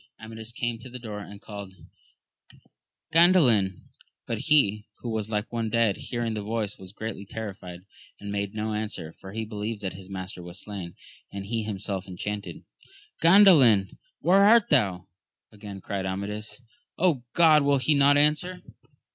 Amadis came to the door and called, Gandalin ! but he, who was like one dead, hearing the voice was greatly terrified, and made no answer, for he believed that his master was slain, and he himself enchanted. Gandalin? where art thou? again cried Amadis. God! will he not answer